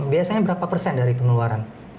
biasanya berapa persen dari pengeluaran